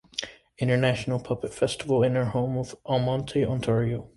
International Puppet Festival in her home of Almonte, Ontario.